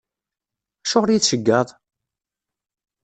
Acuɣer i yi-tceggɛeḍ?